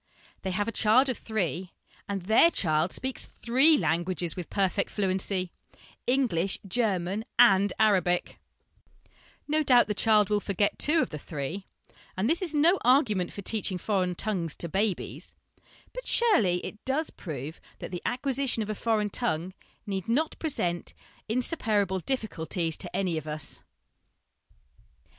They have a child of three, and their child speaks three languages with perfect fluency English, German, and Arabic I No doubt the child will forget two of the three, and this is no argument for teaching foreign tongues to babies, but surely it does prove that the acquisition of a foreign tongue need not present insuperable difficulties to any of us.